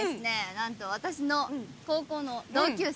なんと私の高校の同級生。